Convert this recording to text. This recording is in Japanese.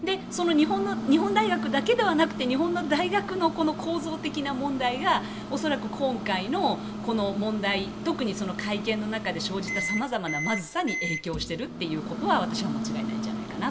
日本大学だけではなくて日本の大学の構造的な問題が恐らく今回の問題特に会見の中で生じたさまざまなまずさに影響していると私は思います。